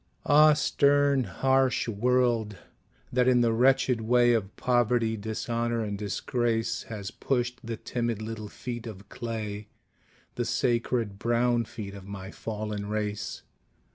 Ah, stern harsh world, that in the wretched way Of poverty, dishonor and disgrace, Has pushed the timid little feet of clay, The sacred brown feet of my fallen race!